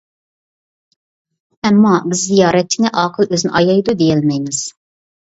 ئەمما بىز زىيارەتچىنى ئاقىل ئۆزىنى ئايايدۇ دېيەلمەيمىز.